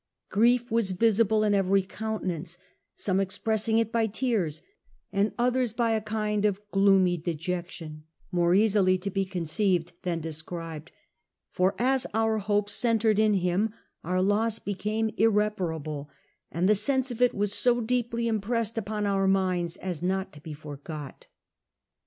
Grief was visible in every countenance ; some expressing it by tears, and others by a kind of gloomy dejection, more easy to be conceived then described : for as all our hopes centred in him our loss became irreparable, and the sense of it was so deeply impressed upon our minds as not to be forgot.